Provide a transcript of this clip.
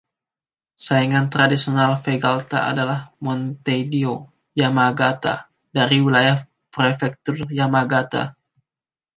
Saingan tradisional Vegalta adalah Montedio Yamagata dari wilayah Prefektur Yamagata.